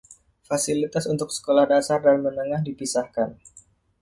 Fasilitas untuk sekolah dasar dan menengah dipisahkan.